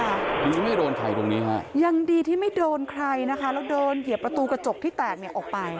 อันนี้ไม่โดนใครตรงนี้ฮะยังดีที่ไม่โดนใครนะคะแล้วเดินเหยียบประตูกระจกที่แตกเนี่ยออกไป